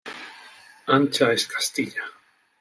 ¡Ancha es Castilla!